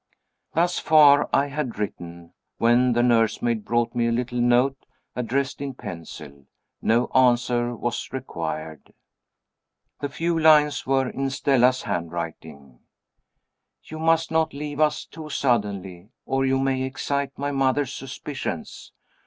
Thus far I had written, when the nursemaid brought me a little note, addressed in pencil. No answer was required. The few lines were in Stella's handwriting: "You must not leave us too suddenly, or you may excite my mother's suspicions.